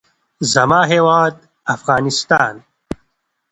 زما هېواد افغانستان.